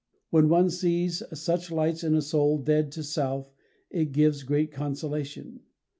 When one sees such lights in a soul dead to self it gives great consolation.